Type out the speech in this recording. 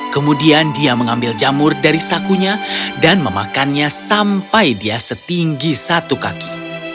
kemudian dia mengambil jamur dari sakunya dan memakannya sampai dia setinggi satu kaki